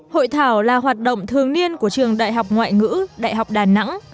hội thảo là hoạt động thường niên của trường đại học ngoại ngữ đại học đà nẵng